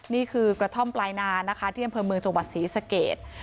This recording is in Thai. นี่คือกระท่อมปลายนานะคะที่อำเภอเมืองจังหวัดศรีสเกต